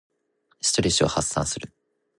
ストレスを発散する。